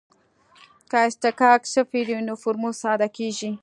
که اصطکاک صفر وي نو فورمول ساده کیږي